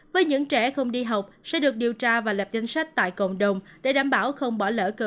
với những trẻ không đi học sẽ được điều tra và lập danh sách tại cộng đồng để đảm bảo không bỏ lỡ cơ hội